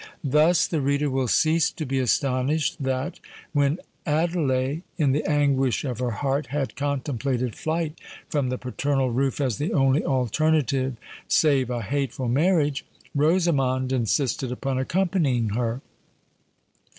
Thus, the reader will cease to be astonished that, when Adelais, in the anguish of her heart, had contemplated flight from the paternal roof as the only alternative save a hateful marriage, Rosamond insisted upon accompanying her.